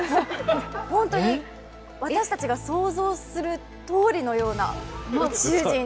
本当に私たちが想像するとおりのような宇宙人。